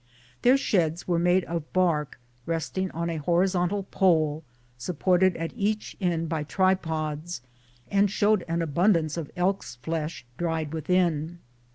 Their sheds were made of bark resting on a horizontal pole, supported at each end by tripods, and showed an abundance of elk's flesh dried within.